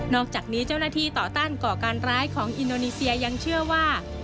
อกจากนี้เจ้าหน้าที่ต่อต้านก่อการร้ายของอินโดนีเซียยังเชื่อว่า